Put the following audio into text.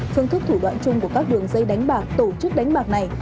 phương thức thủ đoạn chung của các đường dây đánh bạc tổ chức đánh bạc này